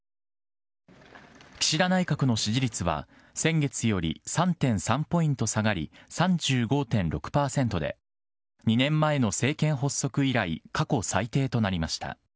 岸田内閣の支持率は、先月より３．３ポイント下がり、３５．６％で、２年前の政権発足以来、過去最低となりました。